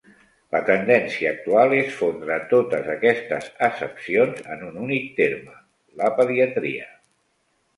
La tendència actual és fondre totes aquestes accepcions en un únic terme: la pediatria.